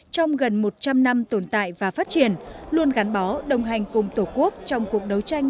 trong gần một trăm linh năm tồn tại và phát triển luôn gắn bó đồng hành cùng tổ quốc trong cuộc đấu tranh